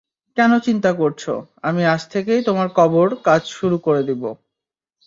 কেন চিন্তা করছো, আমি আজ থেকেই তোমার কবর কাজ শুরু করে দিবো।